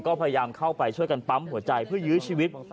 ก็พยายามเข้าไปช่วยกันปั๊มหัวใจเพื่อยื้อชีวิต